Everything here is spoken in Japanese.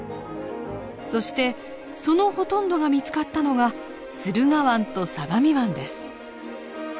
そしてそのほとんどが見つかったのが駿河湾と相模湾です。